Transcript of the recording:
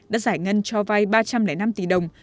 đã giải ngân cho vay ba trăm linh năm tỷ đồng